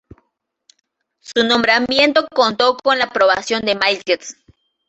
Su nombramiento contó con la aprobación de Maček.